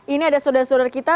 ini ada saudara saudara kita